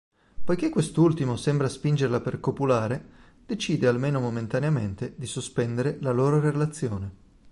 Poiché quest'ultimo sembra spingerla per copulare, decide almeno momentaneamente di sospendere la loro relazione.